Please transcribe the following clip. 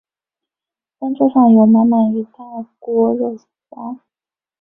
餐桌上有满满一大锅肉燥